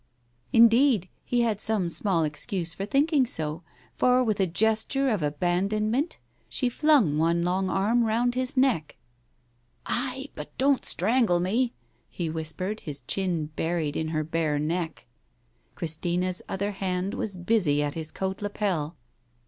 Indeed, he had some small excuse for thinking so, for with a gesture of abandonment she flung one long arm round his neck. "Ay, but don't strangle me 1 " he whispered, his chin buried in. her bare neck. Christina's other hand was busy at his coat lapel.